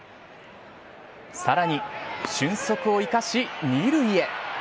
さらに俊足を生かし２塁へ。